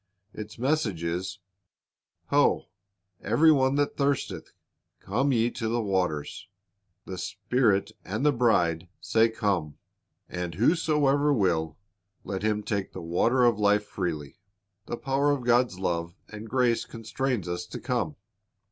Its message is, "Ho, every one that thirsteth, come ye to the waters." "The Spirit and the bride say, Come. And whosoever will, let him take the water of life freely."' The power of God's love and grace constrains us to come.